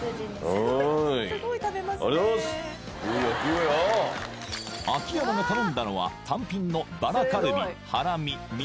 すごい食べますね秋山が頼んだのは単品のバラカルビハラミみ